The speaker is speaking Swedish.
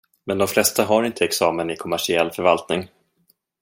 Men de flesta har inte examen i kommersiell förvaltning.